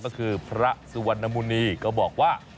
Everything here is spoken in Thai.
ก็คือพระสุวรรณมุณีก็บอกว่า